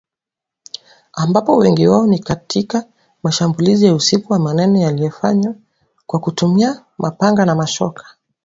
ambapo wengi wao ni katika mashambulizi ya usiku wa manane yaliyofanywa kwa kutumia mapanga na mashoka